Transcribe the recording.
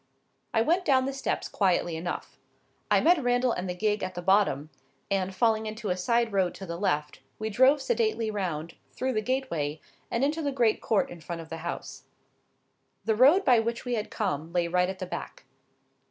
I went down the steps quietly enough. I met Randal and the gig at the bottom; and, falling into a side road to the left, we drove sedately round, through the gateway, and into the great court in front of the house. The road by which we had come lay right at the back.